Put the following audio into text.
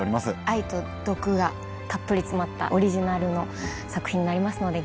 愛と毒がたっぷり詰まったオリジナルの作品になりますので。